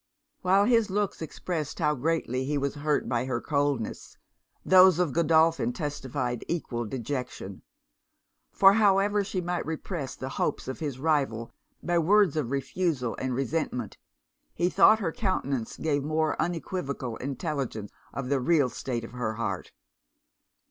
While his looks expressed how greatly he was hurt by her coldness, those of Godolphin testified equal dejection. For however she might repress the hopes of his rival by words of refusal and resentment, he thought her countenance gave more unequivocal intelligence of the real state of her heart.